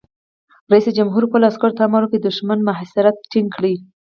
رئیس جمهور خپلو عسکرو ته امر وکړ؛ د دښمن محاصره تنګه کړئ!